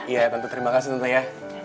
iya tante terima kasih tante ya